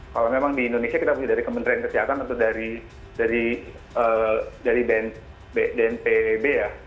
kalau memang di indonesia kita punya dari kementerian kesehatan atau dari bnpb ya